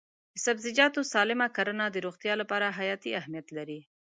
د سبزیجاتو سالم کرنه د روغتیا لپاره حیاتي اهمیت لري.